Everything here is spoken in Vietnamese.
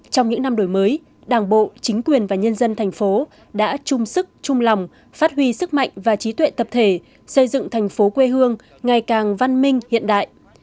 trong những năm đổi mới đảng bộ chính quyền và nhân dân thành phố đã chung sức chung lòng phát huy sức mạnh và trí tuệ tập thể xây dựng thành phố quê hương ngày càng văn minh hiện đại